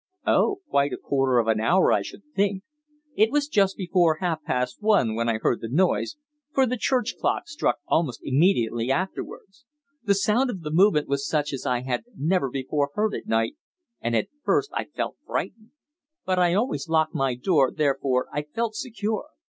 "Oh, quite a quarter of an hour, I should think. It was just before half past one when I heard the noise, for the church clock struck almost immediately afterwards. The sound of the movement was such as I had never before heard at night, and at first I felt frightened. But I always lock my door, therefore I felt secure.